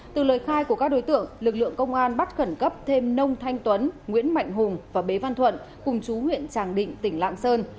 từ lời khai của các đối tượng lực lượng công an bắt khẩn cấp thêm nông thanh tuấn nguyễn mạnh hùng và bế văn thuận cùng chú huyện tràng định tỉnh lạng sơn